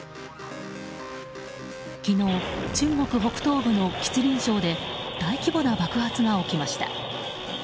昨日、中国北東部の吉林省で大規模な爆発が起きました。